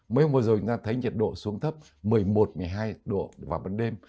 mấy hôm vừa rồi chúng ta thấy nhiệt độ xuống thấp một mươi một một mươi hai độ vào ban đêm